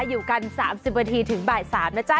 อยู่กัน๓๐วันทีถึงบ่ายสามนะจ๊ะ